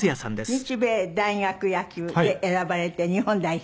日米大学野球で選ばれて日本代表？